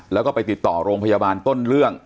แล้วก็ไปติดต่อโรงพยาบาลต้นเรื่อง